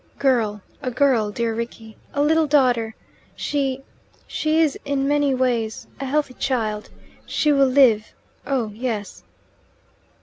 "Girl a girl, dear Rickie; a little daughter. She she is in many ways a healthy child. She will live oh yes."